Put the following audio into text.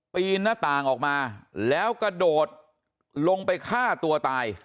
ปีนหน้าต่างออกมาแล้วกระโดดลงไปฆ่าตัวตาย